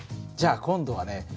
じゃあ今度はね